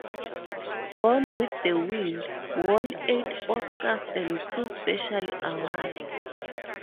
"Gone with the Wind" won eight Oscars and two special awards.